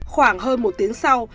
khoảng hơn một tiếng sau